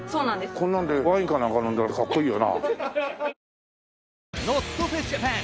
こんなのでワインかなんか飲んだらかっこいいよな。